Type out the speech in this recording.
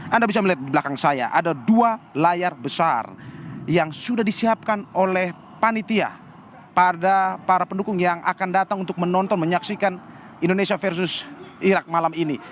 anda bisa melihat di belakang saya ada dua layar besar yang sudah disiapkan oleh panitia pada para pendukung yang akan datang untuk menonton menyaksikan indonesia versus irak malam ini